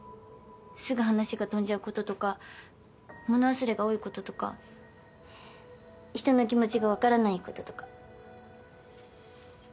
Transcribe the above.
すぐ話が飛んじゃうこととか物忘れが多いこととか人の気持ちが分からないこととか。